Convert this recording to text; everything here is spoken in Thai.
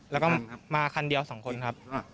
แล้วก็มาคันเดียว๒คนครับ